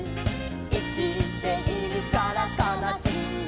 「いきているからかなしいんだ」